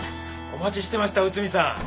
お待ちしてました内海さん。